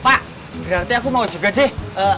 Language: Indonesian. pak berarti aku mau juga deh